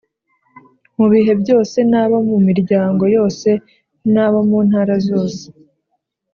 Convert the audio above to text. mu bihe byose n’abo mu miryango yose n abo mu ntara zose.